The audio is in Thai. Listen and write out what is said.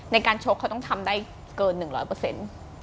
ในการโชคเขาต้องทำได้เกิน๑๐๐